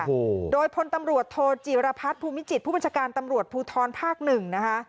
โอ้โหโดยพลตำรวจโทจีรพัฒน์ภูมิจิตผู้บัญชาการตำรวจภูทรภาคหนึ่งนะคะ